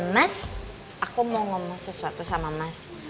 mas aku mau ngomong sesuatu sama mas